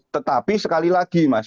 tetapi sekali lagi mas